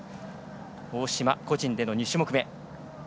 大島、個人での２種目め。